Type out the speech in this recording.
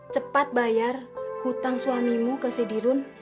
cepat bayar hutang suamimu ke sidirun